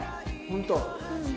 本当？